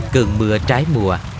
cường mưa trái mùa